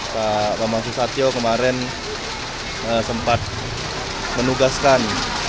pak bambang susatyo kemarin sempat menugaskan